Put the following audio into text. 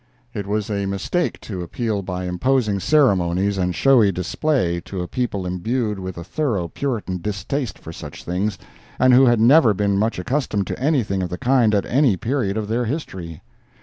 It was a mistake to appeal by imposing ceremonies and showy display to a people imbued with a thorough Puritan distaste for such things, and who had never been much accustomed to anything of the kind at any period of their history.